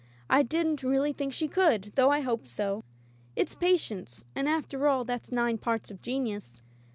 I didn't really think she could, though I hoped so. It's patience, and after all that's nine parts of genius.